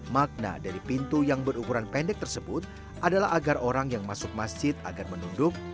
makna dari pintu yang berukuran pendek tersebut adalah agar orang yang masuk masjid agar menunduk